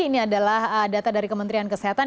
ini adalah data dari kementerian kesehatan